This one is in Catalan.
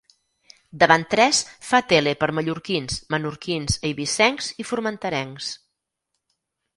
Davant tres fa tele per mallorquins, menorquins, eivissencs i formenterencs.